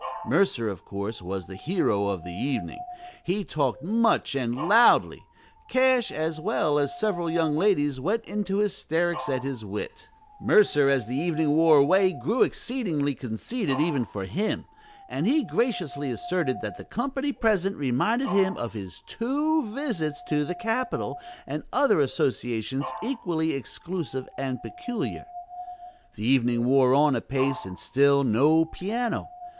Mercer, of course, was the hero of the evening: he talked much and loudly. Cash, as well as several young ladies, went into hysterics at his wit. Mercer, as the evening wore away, grew exceedingly conceited, even for him; and he graciously asserted that the company present reminded him of his two visits to the "Capitol," and other associations equally exclusive and peculiar. The evening wore on apace, and still no piano.